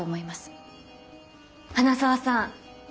花澤さん